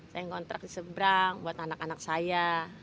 saya ngontrak di seberang buat anak anak saya